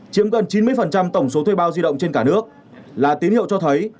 chiếm gần chín mươi tổng số thuê bao di động trên cả nước là tín hiệu cho thấy